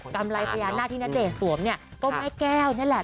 กำไรพญานาคที่ณเดชน์สวมก็มายแก้วนี่แหละ